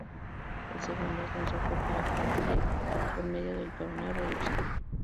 El segundo ascenso fue para Banfield, por medio del Torneo reducido.